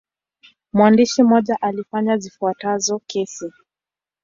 Mwandishi mmoja alifanya zifuatazo kesi.